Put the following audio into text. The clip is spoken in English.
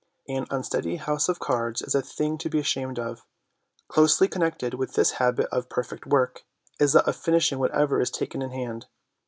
An unsteady house of cards is a thing to be ashamed of. Closely connected with this habit of ' perfect work ' is that of finishing whatever is taken in hand.